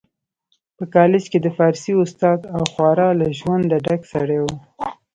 په کالج کي د فارسي استاد او خورا له ژونده ډک سړی و